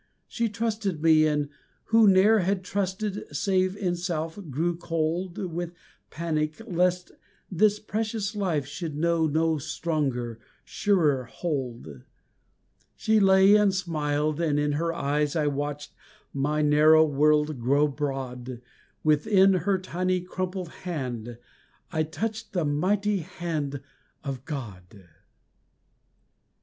She trusted me, and I who ne'er had trusted, save in self, grew cold With panic lest this precious life should know no stronger, surer hold. She lay and smiled and in her eyes I watched my narrow world grow broad, Within her tiny, crumpled hand I touched the mighty hand of God!